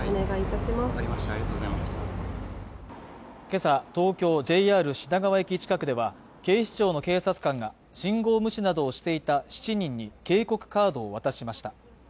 今朝東京・ＪＲ品川駅近くでは警視庁の警察官が信号無視などをしていた７人に警告カードを渡しました